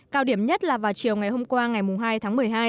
cao điểm nhất là vào chiều ngày hôm qua ngày hai tháng một mươi hai